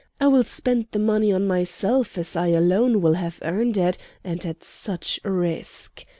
I will spend the money on myself, as I alone will have earned it, and at such risk.